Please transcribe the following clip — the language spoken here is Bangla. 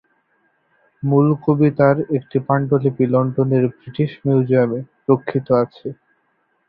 মূল কবিতার একটি পান্ডুলিপি লন্ডনের ব্রিটিশ মিউজিয়ামে রক্ষিত আছে।